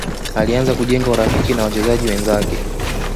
alianza kujenga urafiki na wachezaji wenzake